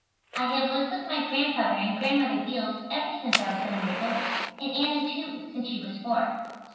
I have lived with my Grandfather and Grandmother Beals ever since I was seven years old, and Anna, too, since she was four.